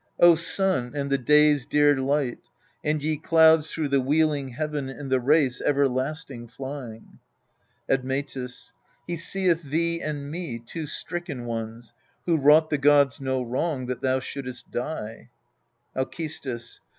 O Sun, and the day's dear light, And ye clouds through the wheeling heaven in the race everlasting flying ! Admetus. He seeth thee and me, two stricken ones, Who wrought the gods no wrong, that thou shouldst die. Alcestis.